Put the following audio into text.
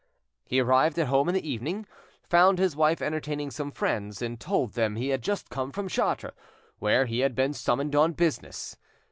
He arrived at home in the evening, found his wife entertaining some friends; and told them he had just come from Chartres, where he had been summoned on business.